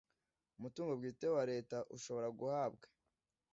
Umutungo bwite wa leta ushobora guhabwa